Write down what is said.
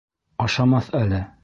Ашамаҫ әле.